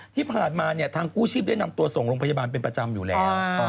ที่ผ่านมาเนี่ยทางกู้ชีพได้นำตัวส่งโรงพยาบาลเป็นประจำอยู่แล้ว